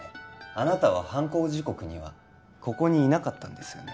あなたは犯行時刻にはここにいなかったんですよね